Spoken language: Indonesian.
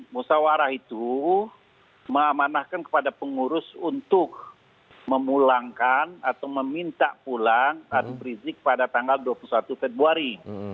musawarah itu memanahkan kepada pengurus untuk memulangkan atau meminta pulang rizik pada tanggal dua puluh satu februari dua ribu delapan belas